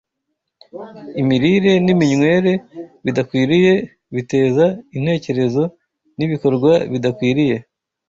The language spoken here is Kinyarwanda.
Imirire n’iminywere bidakwiriye biteza intekerezo n’ibikorwa bidakwiriye